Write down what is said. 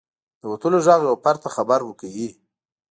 • د وتلو ږغ یو فرد ته خبر ورکوي.